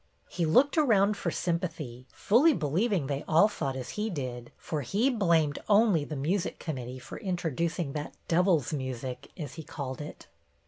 He looked around for sympathy, fully believing they all thought as he did, for he blamed only the music com mittee for introducing " that devil's music," as he called it.